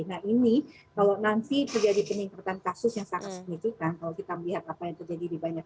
nah ini kalau nanti terjadi peningkatan kasus yang sangat signifikan kalau kita melihat apa yang terjadi di banyak